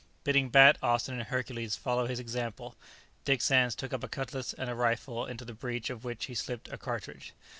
Bidding Bat, Austin, and Hercules follow his example, Dick Sands took up a cutlass and a rifle, into the breach of which he slipped a cartridge.